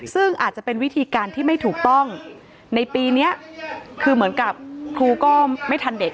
ซึ่งอาจจะเป็นวิธีการที่ไม่ถูกต้องในปีนี้คือเหมือนกับครูก็ไม่ทันเด็ก